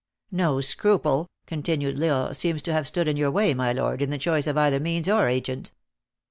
"No scruple," continued L Isle, "seems to have stood in your way, my lord, in the choice of either means or agent."